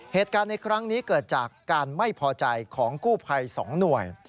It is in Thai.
เหตุการณ์ในครั้งนี้เกิดจากการไม่พอใจของกู้ภัย๒หน่วย